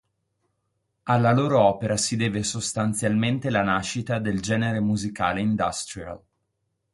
Alla loro opera si deve sostanzialmente la nascita del genere musicale industrial.